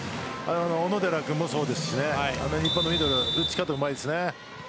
小野寺君もそうですけど日本のミドル打ち方がうまいですね。